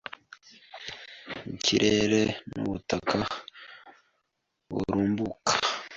ikirere, n’ubutaka burumbuka